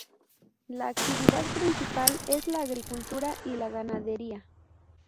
La actividad principal es la agricultura y la ganadería.